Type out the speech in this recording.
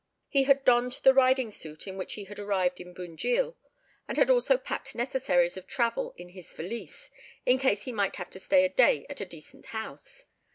He had donned the riding suit in which he had arrived at Bunjil, and had also packed necessaries of travel in his valise, in case he might have to stay a day at a decent house.